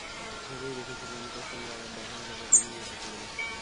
ভেবেই রেখেছিলাম, তোর সঙ্গে আবার দেখা হলে প্রথমেই এটা করব।